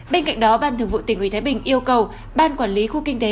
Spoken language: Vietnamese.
bên cạnh đó ban thường vụ tỉnh ủy thái bình yêu cầu ban quản lý khu kinh tế